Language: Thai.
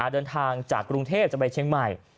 เดินทางจากกรุงเทพจะไปเชียงใหม่